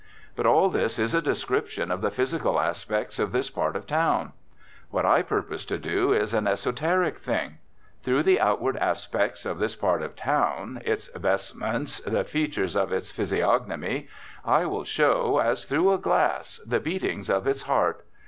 But all this is a description of the physical aspects of this part of town. What I purpose to do is an esoteric thing. Through the outward aspects of this part of town, its vestments, the features of its physiognomy, I will show, as through a glass, the beatings of its heart.